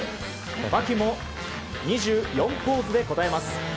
牧も２４ポーズで応えます。